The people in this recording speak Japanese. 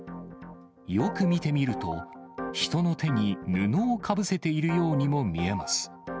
よく見てみると、人の手に布をかぶせているようにも見えます。